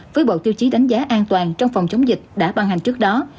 với bộ tiêu chí đánh giá an toàn trong phòng chống dịch đã ban hành trước đó